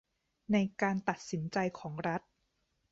ในการตัดสินใจของรัฐ